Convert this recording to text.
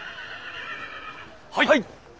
はい！